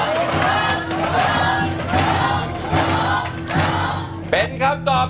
ถูกครับ